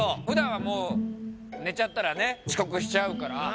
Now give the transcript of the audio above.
ふだんはもう寝ちゃったらねちこくしちゃうから。